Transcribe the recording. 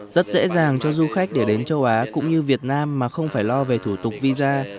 rất dễ dàng cho du khách để đến châu á cũng như việt nam mà không phải lo về thủ tục visa